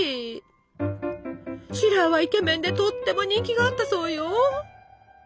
シラーはイケメンでとっても人気があったそうよ。